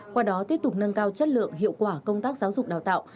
qua đó tiếp tục nâng cao chất lượng hiệu quả công tác giáo dục đào tạo